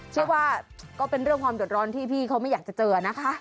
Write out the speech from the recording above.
เชื่อว่าก็เป็นเรื่องความเดือดร้อนที่พี่เขาไม่อยากจะเจอนะคะ